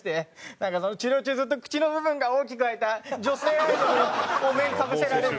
なんか治療中ずっと口の部分が大きく開いた女性お面かぶせられるみたいな。